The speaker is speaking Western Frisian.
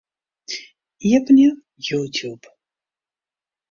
Iepenje YouTube.